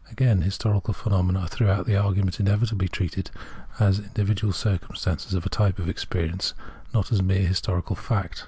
* Again, historical phenomena are throughout the argu ment invariably treated as individual instances of a type of experience, not as mere historical fact.